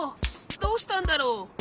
どうしたんだろう？